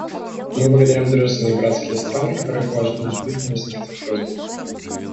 Мы благодарим дружественные и братские страны, которые положительно откликнулись на эти просьбы.